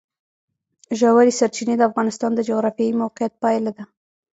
ژورې سرچینې د افغانستان د جغرافیایي موقیعت پایله ده.